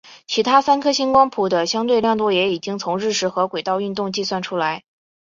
其他三颗星光谱的相对亮度也已经从日食和轨道运动计算出来。